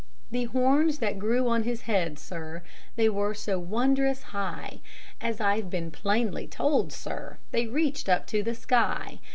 The horns that grew on his head, sir, they were so wondrous high, As I've been plainly told, sir, they reached up to the sky.